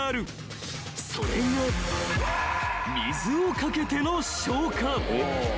［それが水を掛けての消火］